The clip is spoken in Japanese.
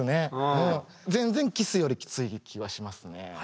全然キスよりきつい気はしますね。